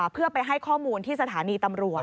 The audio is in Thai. เพื่อไปให้ข้อมูลที่สถานีตำรวจ